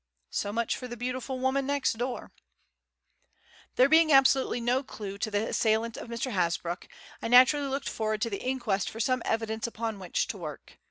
So much for the beautiful woman next door. There being absolutely no clue to the assailant of Mr. Hasbrouck, I naturally looked forward to the inquest for some evidence upon which to work.